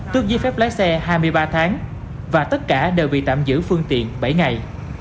tước giấy phép lái xe hai mươi ba tháng và tất cả đều bị tạm giữ phương tiện bảy ngày